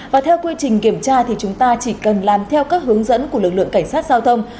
và theo quy trình kiểm tra thì chúng ta chỉ cần làm theo các hướng dẫn của lực lượng cảnh sát giao thông